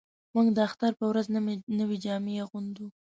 موږ د اختر په ورځ نوې جامې اغوندو